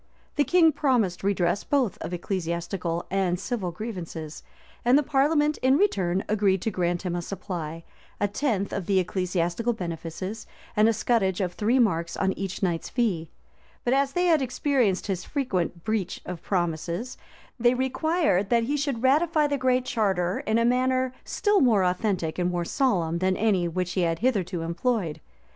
The king promised redress both of ecclesiastical and civil grievances; and the parliament in return agreed to grant him a supply, a tenth of the ecclesiastical benefices, and a scutage of three marks on each knight's fee: but as they had experienced his frequent breach of promise, they required that he should ratify the Great Charter in a manner still more authentic and more solemn than any which he had hitherto employed.